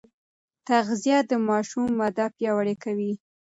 تغذيه د ماشوم وده پیاوړې کوي.